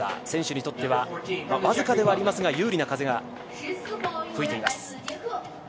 選手にとっては、僅かではありますが有利な風が吹いています。